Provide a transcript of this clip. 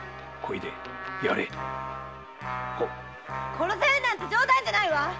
殺されるなんて冗談じゃないわ！